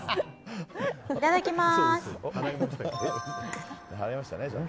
いただきます！